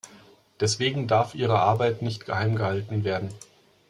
Deswegen darf ihre Arbeit nicht geheimgehalten werden.